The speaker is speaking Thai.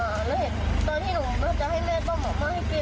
แล้วเห็นตอนที่หนูจะให้แม่ต้องออกมาให้กิน